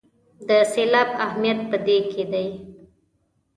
د سېلاب اهمیت په دې کې دی.